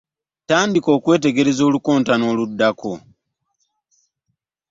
Tandika okwetegekera olukontana oluddako.